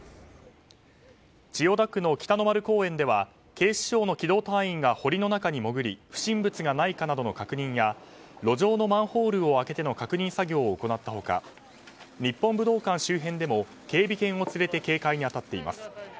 千代田区の北の丸公園では警視庁の機動隊員が濠の中に潜り不審物がないかなどの確認や路上のマンホールを開けての確認作業を行ったほか日本武道館周辺でも警備犬を連れて警戒に当たっています。